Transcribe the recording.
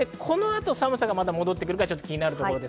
この後、寒さがまた戻ってくるか気になるところです。